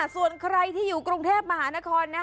ส่วนใครที่อยู่กรุงเทพมหานคร